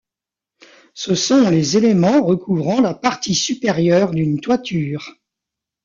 Ce sont les éléments recouvrant la partie supérieure d'une toiture.